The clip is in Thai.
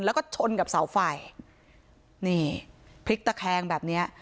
แล้วก็ชนกับเสาไฟนี่พลิกตะแคงแบบเนี้ย